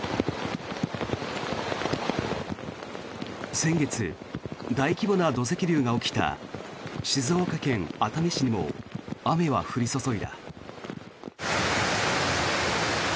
先月、大規模な土石流が起きた静岡県熱海市にも雨は降り注いだ。